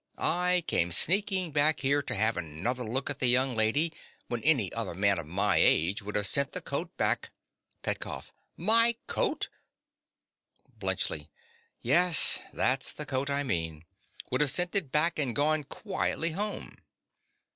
I came sneaking back here to have another look at the young lady when any other man of my age would have sent the coat back— PETKOFF. My coat! BLUNTSCHLI.—Yes: that's the coat I mean—would have sent it back and gone quietly home.